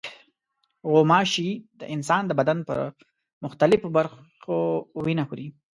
غوماشې د انسان د بدن پر مختلفو برخو وینه خوري.